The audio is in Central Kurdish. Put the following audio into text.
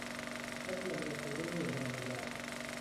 حەزم لە مەلەکردن نییە لەم ڕووبارە.